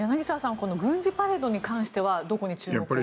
この軍事パレードに関してはどこに注目されていますか。